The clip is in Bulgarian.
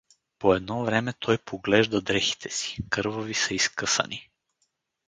По едно време той поглежда дрехите си — кървави са и скъсани.